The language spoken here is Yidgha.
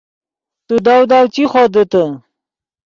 تو داؤ داؤ چی خودیتے